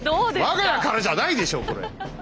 我が家からじゃないでしょうこれ。